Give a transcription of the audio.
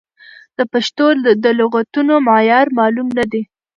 د پښتو د لغتونو معیار معلوم نه دی.